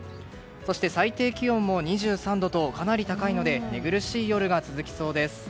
そして、最低気温も２３度とかなり高いので寝苦しい夜が続きそうです。